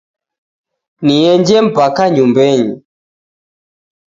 Nienje mpaka nyumbenyi